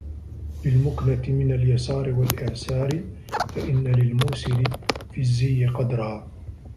بِالْمُكْنَةِ مِنْ الْيَسَارِ وَالْإِعْسَارِ فَإِنَّ لِلْمُوسِرِ فِي الزِّيِّ قَدْرًا